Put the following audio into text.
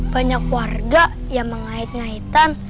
banyak warga yang mengait ngaitan